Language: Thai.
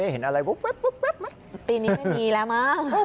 เห็นอะไรแบบวุ๊บปีนี้ไม่มีแล้วมาก